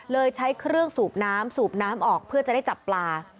ใช้เครื่องสูบน้ำสูบน้ำออกเพื่อจะได้จับปลา